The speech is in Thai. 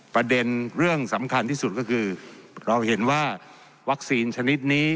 ประเด็นเรื่องสำคัญที่สุดก็คือเราเห็นว่าวัคซีนชนิดนี้